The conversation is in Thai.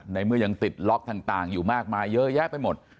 ในเมื่อยังติดล็อกต่างอยู่มากมายเยอะแยะไปหมด